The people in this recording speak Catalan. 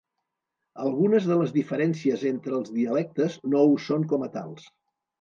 Algunes de les diferències entre els dialectes no ho són com a tals.